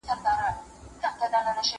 تاریخي کتابونه باید په دقت سره وساتل سي.